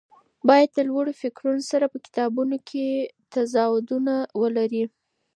باید د لوړو فکرونو سره په کتابونو کې تضادونه ولري.